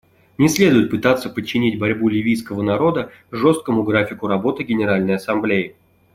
Не следует пытаться подчинить борьбу ливийского народа жесткому графику работы Генеральной Ассамблеи.